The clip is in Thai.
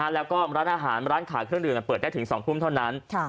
แล้วก็ร้านอาหารร้านขายเครื่องดื่มเปิดได้ถึง๒ทุ่มเท่านั้น